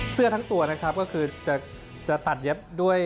เสื้อทั้งตัวนะครับก็คือจะตัดเย็บด้วย